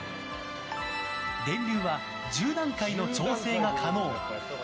電流は１０段階の調整が可能。